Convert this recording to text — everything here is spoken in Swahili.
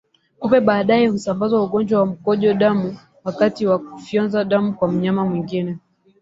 Kupe baadaye husambaza ugonjwa wa mkojo damu wakati wa kufyonza damu kwa mnyama mwingine